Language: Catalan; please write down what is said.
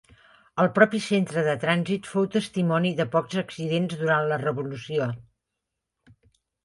El propi centre de trànsit fou testimoni de pocs accidents durant la revolució.